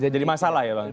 jadi masalah ya bang